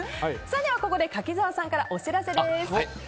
では、ここで柿澤さんからお知らせです。